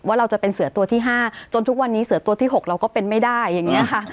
เราจะเป็นเสือตัวที่๕จนทุกวันนี้เสือตัวที่๖เราก็เป็นไม่ได้อย่างนี้ค่ะ